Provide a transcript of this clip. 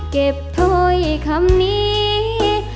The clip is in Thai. เก็บถ้อยคำนี้